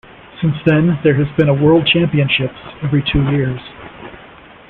Since then, there has been a World Championships every two years.